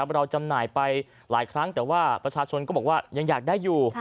จำหน่ายไปหลายครั้งแต่ว่าประชาชนก็บอกว่ายังอยากได้อยู่